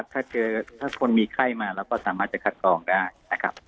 ถ้าคนมีไข้มาเราก็สามารถจะขัดกรองได้